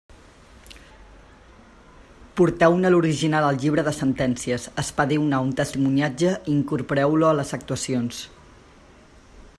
Porteu-ne l'original al llibre de sentències, expediu-ne un testimoniatge i incorporeu-lo a les actuacions.